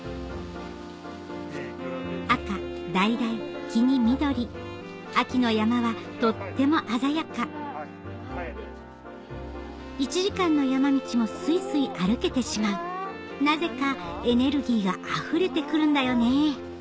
赤橙黄に緑秋の山はとっても鮮やか１時間の山道もすいすい歩けてしまうなぜかエネルギーがあふれて来るんだよね